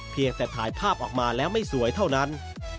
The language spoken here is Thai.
เพียงแต่ถ่ายภาพออกมาแล้วไม่สวยเท่านั้น